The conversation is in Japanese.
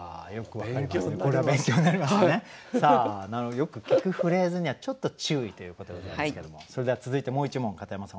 よく聞くフレーズにはちょっと注意ということでございますけどもそれでは続いてもう一問片山さん